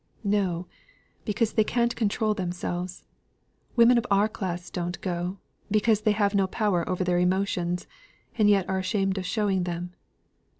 "No; because they can't control themselves. Women of our class don't go, because they have no power over their emotions, and yet are ashamed of showing them.